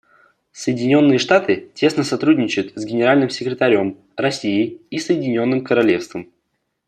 Соединенные Штаты тесно сотрудничают с Генеральным секретарем, Россией и Соединенным Королевством.